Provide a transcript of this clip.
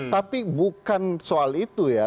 tapi bukan soal itu ya